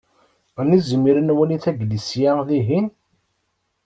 Ad nizmir ad nwali taglisya dihin.